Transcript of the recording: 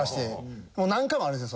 何回もあるんですよ